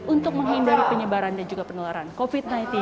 untuk menghindari penyebaran dan juga penularan covid sembilan belas